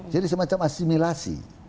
jadi semacam asimilasi